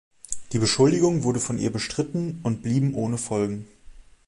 Die Beschuldigung wurde von ihr bestritten und blieben ohne Folgen.